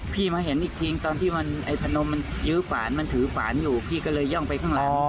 มาเห็นอีกทีตอนที่มันไอ้พนมมันยื้อฝานมันถือฝานอยู่พี่ก็เลยย่องไปข้างล้อ